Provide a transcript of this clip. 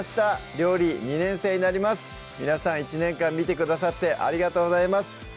料理２年生になります皆さん１年間見てくださってありがとうございます